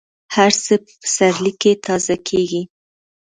هر څه په پسرلي کې تازه کېږي.